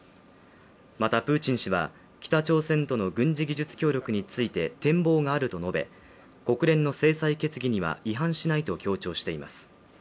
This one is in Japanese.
また、プーチン氏は北朝鮮との軍事技術協力について展望があると述べ、国連の制裁決議には違反しないと強調しています。